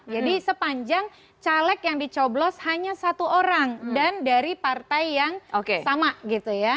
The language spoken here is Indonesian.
jadi sepanjang caleg yang dicoblos hanya satu orang dan dari partai yang sama gitu ya